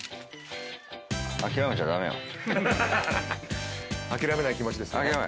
諦めない気持ちですね。